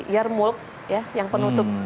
yarmul yang penutup